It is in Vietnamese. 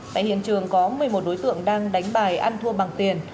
tại hiện trường có một mươi một đối tượng đang đánh bài ăn thua bằng tiền